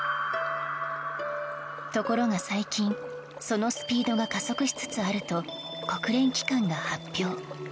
ところが最近そのスピードが加速しつつあると国連機関が発表。